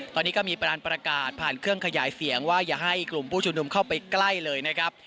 ตอนนี้ก็มีประดานประกาศผ่านเครื่องขยายเสียงว่าอย่าให้กลุ่มผู้ชุมนุมเข้าไปใกล้เลยนะครับ